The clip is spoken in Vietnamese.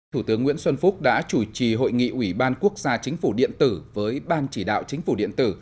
thủ tướng nguyễn xuân phúc đã chủ trì hội nghị ủy ban quốc gia chính phủ điện tử với ban chỉ đạo chính phủ điện tử